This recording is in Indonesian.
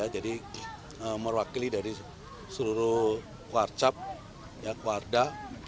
jadi merwakili dari seluruh kwarcap kwarda